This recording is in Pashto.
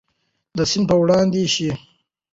سند به وړاندې شي.